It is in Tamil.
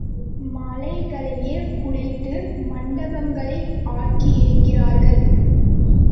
மலைகளையே குடைந்து மண்டபங்களை ஆக்கியிருக்கிறார்கள்.